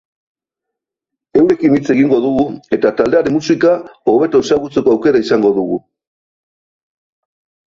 Eurekin hitz egingo dugu eta taldearen musika hobeto ezagutzeko aukera izango dugu.